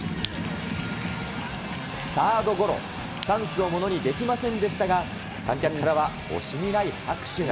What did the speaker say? サードゴロ、チャンスをものにできませんでしたが、観客からは惜しみない拍手が。